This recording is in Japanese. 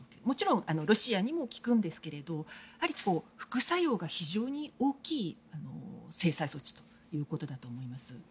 もちろんロシアにも効くんですが副作用が非常に大きい制裁措置ということだと思います。